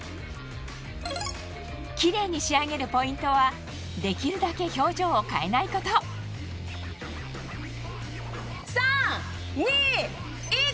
キレイに仕上げるポイントはできるだけ表情を変えないこと３・２・１！